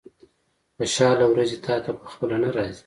خوشاله ورځې تاته په خپله نه راځي.